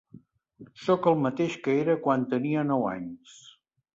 Sóc el mateix que era quan tenia nou anys.